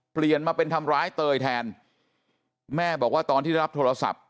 เปลี่ยนมาเป็นทำร้ายเตยแทนแม่บอกว่าตอนที่ได้รับโทรศัพท์